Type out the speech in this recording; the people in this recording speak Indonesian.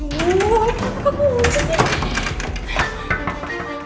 kenapa kekunci sih